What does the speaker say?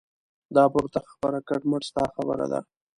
دا پورته خبره کټ مټ ستا خبره ده.